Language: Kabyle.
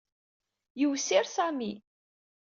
Yiwsir Sami.